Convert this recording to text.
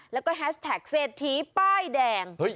แล้วก็แฮชแท็กเศรษฐีป้ายแดง